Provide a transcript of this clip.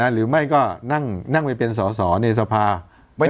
หรือไม่ก็นั่งไปเป็นสอสอในสภา